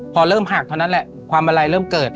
พอเริ่มหักเท่านั้นแหละความอะไรเริ่มเกิด